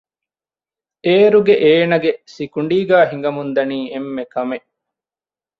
އޭރުގެ އޭނަގެ ސިކުޑީގައި ހިނގަމުންދަނީ އެންމެ ކަމެއް